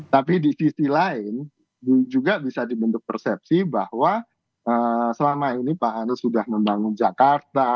tapi di sisi lain juga bisa dibentuk persepsi bahwa selama ini pak anies sudah membangun jakarta